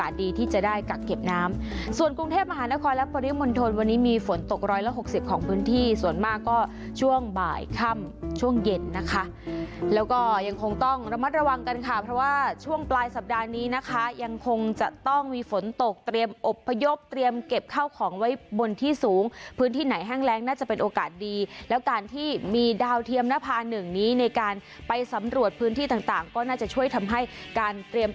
ส่วนมากก็ช่วงบ่ายค่ำช่วงเย็นนะคะแล้วก็ยังคงต้องระมัดระวังกันค่ะเพราะว่าช่วงปลายสัปดาห์นี้นะคะยังคงจะต้องมีฝนตกเตรียมอบพยพเตรียมเก็บข้าวของไว้บนที่สูงพื้นที่ไหนแห้งแรงน่าจะเป็นโอกาสดีแล้วการที่มีดาวเทียมหน้าพา๑นี้ในการไปสำรวจพื้นที่ต่างก็น่าจะช่วยทำให้การเตรี